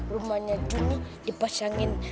rumahnya tuh dipasangin